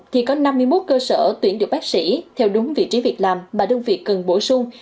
thì có năm mươi một cơ sở tuyển được bác sĩ theo đúng vị trí việc làm mà đơn vị cần bổ sung